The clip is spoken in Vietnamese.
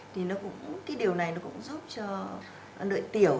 thì cái điều này cũng giúp cho nội tiểu